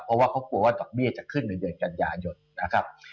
เพราะว่าเขากลัวว่าดอกเบี้ยจะขึ้นในเดือนกันยายนนะครับ